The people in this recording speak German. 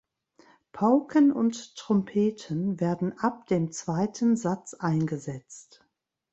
Pauken und Trompeten werden ab dem zweiten Satz eingesetzt.